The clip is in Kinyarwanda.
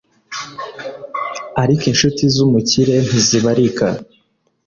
ariko incuti z’umukire ntizibarika